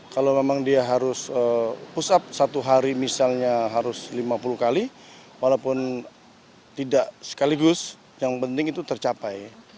kalau memang dia harus push up satu hari misalnya harus lima puluh kali walaupun tidak sekaligus yang penting itu tercapai